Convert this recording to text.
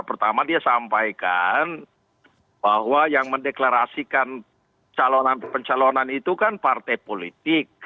pertama dia sampaikan bahwa yang mendeklarasikan calonan pencalonan itu kan partai politik